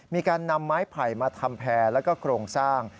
มีการนำไม้ไผ่มาทำแพร่แล้วก็โครงสร้าง